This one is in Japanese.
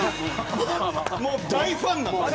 もう大ファンなんですよ。